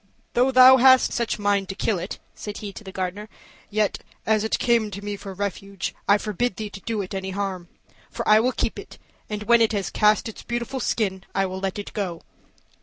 "Though thou hast such a mind to kill it," said he to the gardener, "yet, as it came to me for refuge, I forbid thee to do it any harm; for I will keep it, and when it has cast its beautiful skin I will let it go."